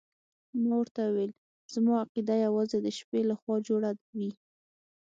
ما ورته وویل زما عقیده یوازې د شپې لخوا جوړه وي.